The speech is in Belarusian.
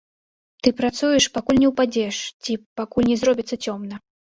Ты працуеш, пакуль не ўпадзеш ці пакуль не зробіцца цёмна.